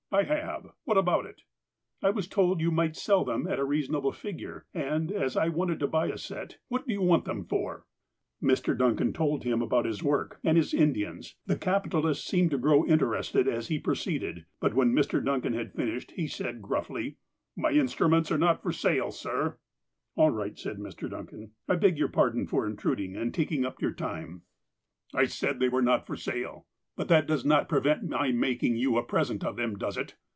'' I have. What about it ?"" I was told you might sell them at a reasonable figure, and as I want to buy a set "' "What do you want them for? " Mr. Duncan told him about his work, and his Indians, ihe capitalist seemed to grow interested as he proceeded : but when Mr. Duncan had finished, he said, gruffly : My instruments are not for sale, sir " for i^f" ^'^^^'" f"^ ^''^"""''^°' "I ^^g yo^r pardon for intruding, and taking up your time." 226 THE APOSTLE OF ALASKA '* I said they were not for sale. But that does not prevent my making you a present of them, does it